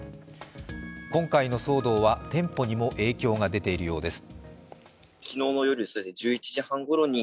今回の騒動は店舗にも影響が出ているようです。